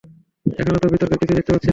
এখানে তো বিতর্কের কিছুই দেখতে পাচ্ছি না!